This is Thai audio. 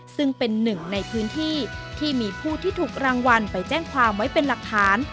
ซึ่งเป็นหนึ่งในพื้นที่ที่มีผู้ที่ถูกรางวัลไปแจ้งความไว้เป็นหลักฐาน